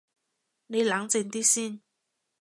你冷靜啲先